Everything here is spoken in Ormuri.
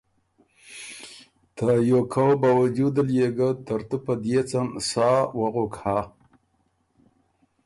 ته یوکؤ باوجود ل يې ګۀ ترتُو په ديېڅن ساه وغُک هۀ